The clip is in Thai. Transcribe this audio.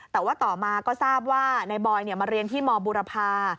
แต่ว่าต่อมาก็ทราบว่านายบอยมาเรียนที่มบุรพา